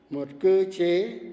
một cơ chế